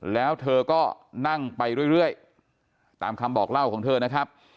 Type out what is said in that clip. แล้วเธอก็นั่งไปเรื่อยตามคำบอกเล่าของเธอนะครับ